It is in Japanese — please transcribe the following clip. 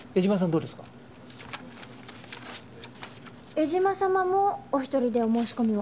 江島様もお一人でお申し込みを。